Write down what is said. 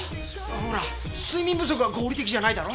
ほら睡眠不足は合理的じゃないだろ？